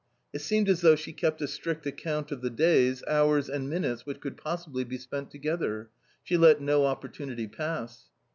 It seemed as though she kept a strict account of the days, hours, and minutes which could possibly be spent together. She let no opportunity pass.